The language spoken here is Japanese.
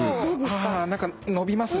はあ何か伸びますね。